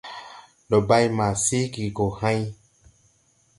Ndɔ bay ma seege gɔ hãy.